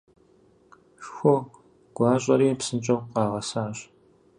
Шху гуащӀэри псынщӀэу къагъэсащ.